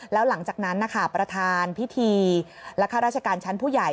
แล้วหลังจากนั้นนะคะประธานพิธีและข้าราชการชั้นผู้ใหญ่